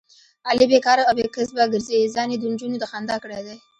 علي بیکاره او بې کسبه ګرځي، ځان یې دنجونو د خندا کړی دی.